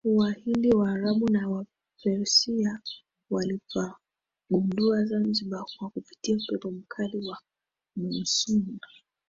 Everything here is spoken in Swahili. Wahindi waarabu na wa Persia walipagundua Zanzibar kwa kupitia upepo mkali wa Monsoon